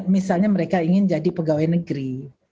misalnya mereka ingin jadi pegawai negeri